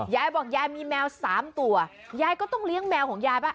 ยายบอกยายมีแมว๓ตัวยายก็ต้องเลี้ยงแมวของยายป่ะ